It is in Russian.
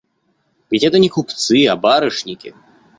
Ведь это не купцы, а барышники.